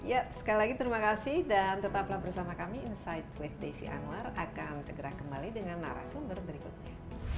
ya sekali lagi terima kasih dan tetaplah bersama kami insight with desi anwar akan segera kembali dengan narasumber berikutnya